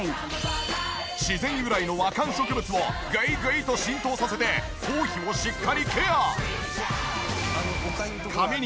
自然由来の和漢植物をグイグイと浸透させて頭皮をしっかりケア！